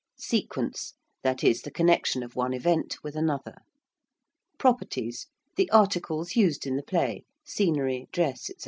~sequence~: that is, the connection of one event with another. ~properties~: the articles used in the play, scenery, dress, &c.